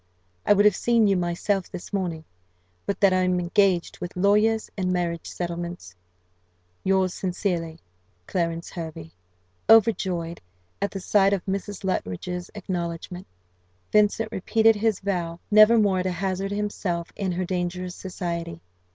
"I would have seen you myself this morning, but that I am engaged with lawyers and marriage settlements. "Yours sincerely, "CLARENCE HERVEY." Overjoyed at the sight of Mrs. Luttridge's acknowledgment, Vincent repeated his vow never more to hazard himself in her dangerous society.